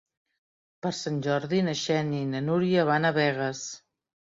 Per Sant Jordi na Xènia i na Núria van a Begues.